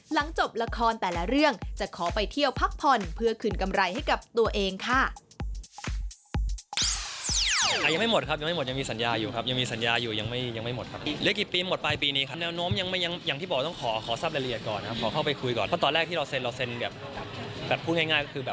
หลังจบละครแต่ละเรื่องจะขอไปเที่ยวพักผ่อนเพื่อคืนกำไรให้กับตัวเองค่ะ